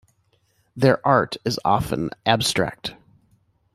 Their art is often abstract.